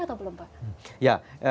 atau belum pak